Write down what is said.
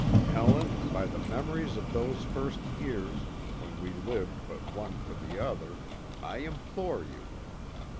Helen, by the memories of those first years, when we lived but one for the other, I implore you.